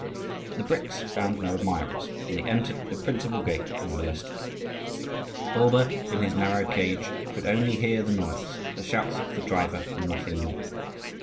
But the bricks found no admirers, and they entered the principal gate unmolested. Bulba, in his narrow cage, could only hear the noise, the shouts of the driver, and nothing more.